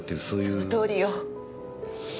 そのとおりよ。